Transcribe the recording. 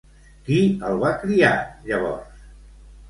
Qui el va criar, llavors?